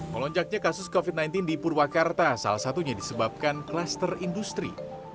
melonjaknya kasus covid sembilan belas di purwakarta salah satunya disebabkan kluster industri